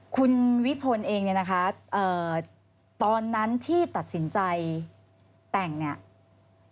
คุณวิพลเองเนี่ยนะคะตอนนั้นที่ตัดสินใจแต่งเนี่ย